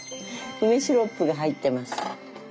梅シロップが入ってます。